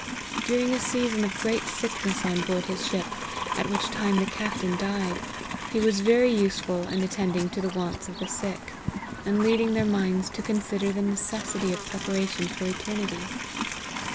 During a season of great sickness on board his ship, at which time the captain died, he was very useful in attending to the wants of the sick, and leading their minds to consider the neces sity of preparation for eternity.